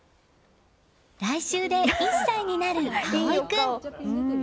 来週で１歳になる、葵君。